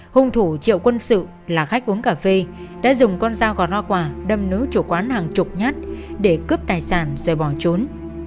hung thủ triệu quân sự là khách uống cà phê đã dùng con dao gọt hoa quả đâm nứa chủ quán hàng chục nhát để cướp tài sản rồi bỏ trốn